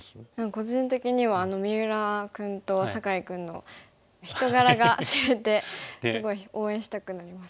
個人的には三浦君と酒井君の人柄が知れてすごい応援したくなりました。